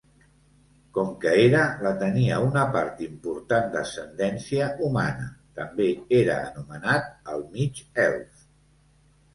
Com que era la tenia una part important d'ascendència humana, també era anomenat el mig-elf.